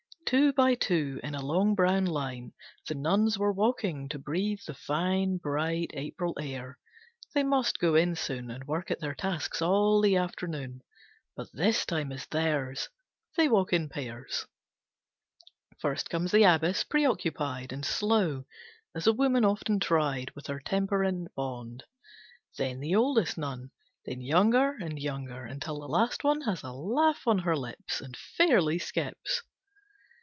Two by two, in a long brown line, The nuns were walking to breathe the fine Bright April air. They must go in soon And work at their tasks all the afternoon. But this time is theirs! They walk in pairs. First comes the Abbess, preoccupied And slow, as a woman often tried, With her temper in bond. Then the oldest nun. Then younger and younger, until the last one Has a laugh on her lips, And fairly skips.